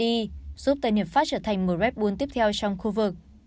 giúp tân hiệp pháp trở thành mùa red bull tiếp theo trong khu vực